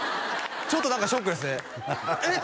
ちょっと何かショックですねえっ！？